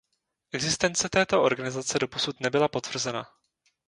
Existence této organizace doposud nebyla potvrzena.